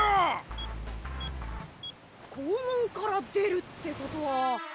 肛門から出るってことは。